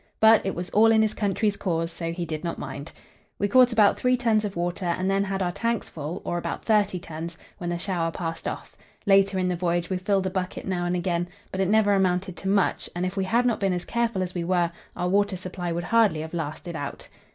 But "it was all in his country's cause," so he did not mind. We caught about 3 tons of water, and then had our tanks full, or about 30 tons, when the shower passed off; later in the voyage we filled a bucket now and again, but it never amounted to much, and if we had not been as careful as we were, our water supply would hardly have lasted out.